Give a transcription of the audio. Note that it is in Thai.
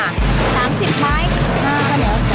คู่ก็สูตรต่อมาจากพ่อกับแม่คือ